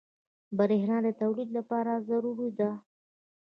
بریښنا د تولید لپاره ضروري ده.